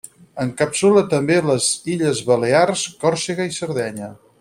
Encapsula també les Illes Balears, Còrsega i Sardenya.